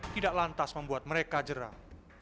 tidak lantas membuat mereka jauh lebih terbuka